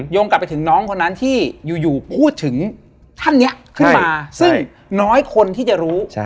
งกลับไปถึงน้องคนนั้นที่อยู่พูดถึงท่านนี้ขึ้นมาซึ่งน้อยคนที่จะรู้